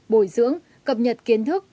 bồi dưỡng cập nhật kiến thức